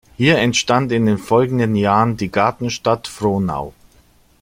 Hier entstand in den folgenden Jahren die Gartenstadt Frohnau.